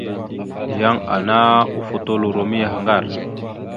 Yan ana ofotoloro miyaŋgar.